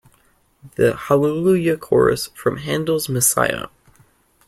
The Hallelujah Chorus from Handel's Messiah.